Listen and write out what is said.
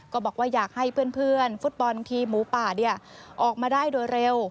ก็บอกว่าอยากให้เพื่อนฟุตบอลทีมหมูป่าออกมาได้โดยเร็ว